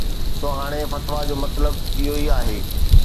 سو هاڻي فتويٰ جو مطلب اهو ئي آهي